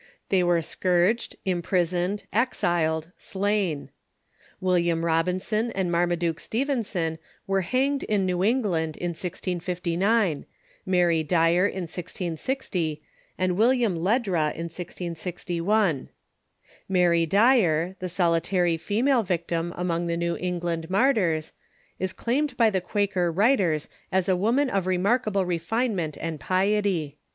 They were scourged, imprisoned, exiled, slain. William Robinson and Marmaduke Stevenson were hanged in New England in 1G59, Mary Dyer in 1660, and William Leddra in 1661. Mary Dyer, the soli tary female victim among the New England martyrs, is claimed by Quaker writers as a woman of remarkable refine ment and piety.